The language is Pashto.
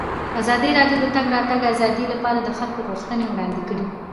ازادي راډیو د د تګ راتګ ازادي لپاره د خلکو غوښتنې وړاندې کړي.